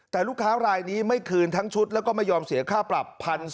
แต่ลูกค้ารายนี้ไม่คืนทั้งชุดแล้วก็ไม่ยอมเสียค่าปรับ๑๔๐๐